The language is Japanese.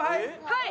はい。